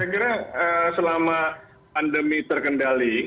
saya kira selama pandemi terkendali